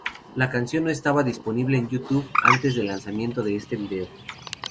La canción no estaba disponible en YouTube antes del lanzamiento de este video.